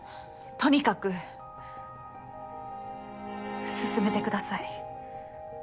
とにかく進めてください。